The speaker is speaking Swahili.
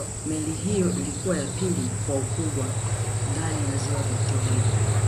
meli hiyo ilikuwa ya pili kwa ukubwa ndani ya ziwa victoria